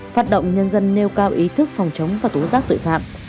phát động nhân dân nêu cao ý thức phòng chống và tố giác tội phạm